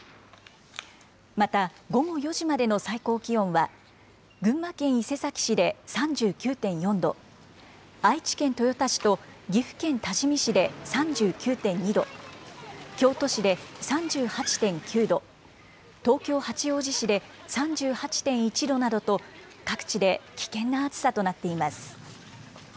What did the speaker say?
また午後４時までの最高気温は、群馬県伊勢崎市で３９．４度、愛知県豊田市と岐阜県多治見市で３９．２度、京都市で３８．９度、東京・八王子市で３８．１度などと、各地で危険な暑さとなっています。